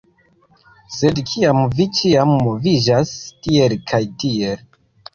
Sed kiam vi ĉiam moviĝas tiel kaj tiel